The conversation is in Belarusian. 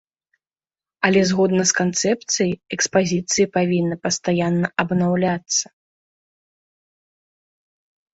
Але згодна з канцэпцыяй, экспазіцыі павінны пастаянна абнаўляцца.